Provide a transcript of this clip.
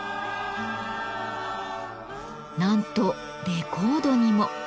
なんとレコードにも。